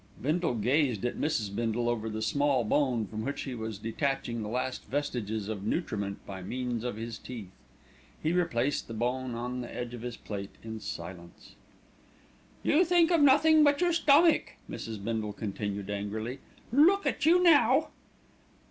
Bindle gazed at Mrs. Bindle over the small bone from which he was detaching the last vestiges of nutriment by means of his teeth. He replaced the bone on the edge of his plate in silence. "You think of nothing but your stomach," Mrs. Bindle continued angrily. "Look at you now!"